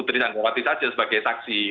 tidak bisa saja sebagai saksi